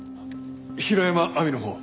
平山亜美のほうは？